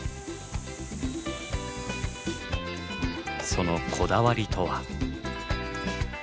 そのこだわりとは？